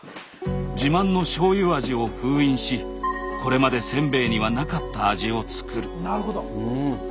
自慢の醤油味を封印しこれまでせんべいにはなかった味を作る。